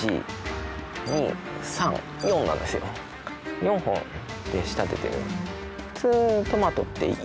４本で仕立ててる。